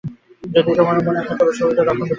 যদি তোমার মত হয় তাহার সহিত রত্নাবতীর বিবাহ দেওয়া যায়।